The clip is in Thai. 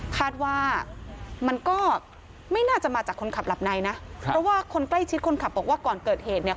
คาดว่ามันก็ไม่น่าจะมาจากคนขับหลับในนะเพราะว่าคนใกล้ชิดคนขับบอกว่าก่อนเกิดเหตุเนี่ย